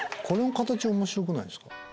この形面白くないですか？